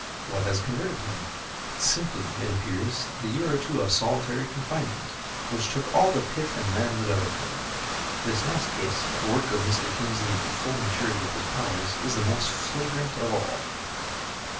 What has converted him? Simply, it appears, the year or two of solitary confinement—which took all the pith and manhood out of him. This last case, the work of Mr. Kingsley in the full maturity of his powers, is the most flagrant of all.